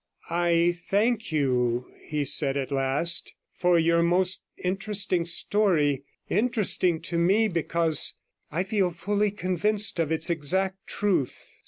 'I thank you,' he said at last, 'for your most interesting story; interesting to me, because I feel fully convinced of its exact truth.'